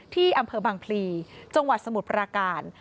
ที่อำเภอบางพลีจังหวัดสมุทรปราการ